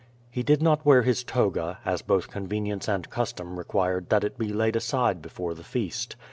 He did not wear his toga, as both convenience and custom required that it be laid aside before the feast.